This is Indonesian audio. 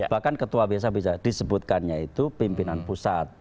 bahkan ketua biasa bisa disebutkannya itu pimpinan pusat